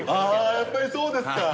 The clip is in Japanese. やっぱりそうですか。